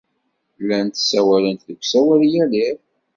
Llant ssawalent deg usawal yal iḍ.